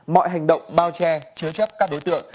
mọi hành động bao che chứa chấp các đối tượng